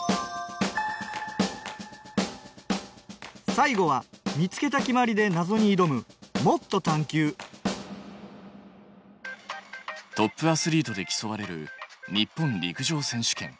最後は見つけた決まりでなぞにいどむトップアスリートで競われる日本陸上選手権。